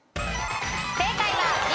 正解はＢ。